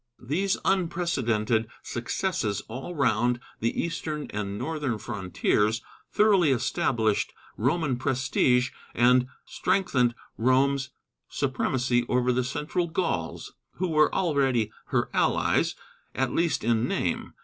These unprecedented successes all round the eastern and northern frontiers thoroughly established Roman prestige and strengthened Rome's supremacy over the central Gauls, who were already her allies, at least in name.